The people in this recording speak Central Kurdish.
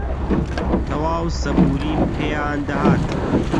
تەواو سەبووریم پێیان دەهات